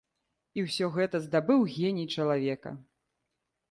І ўсё гэта здабыў геній чалавека.